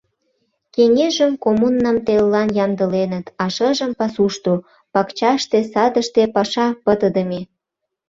Кеҥежым коммуным телылан ямдыленыт, а шыжым — пасушто, пакчаште, садыште паша пытыдыме.